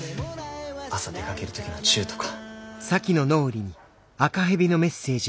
朝出かける時のチューとか。